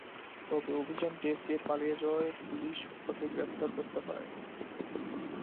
তবে অভিযান টের পেয়ে পালিয়ে যাওয়ায় পুলিশ রুপাকে গ্রেপ্তার করতে পারেনি।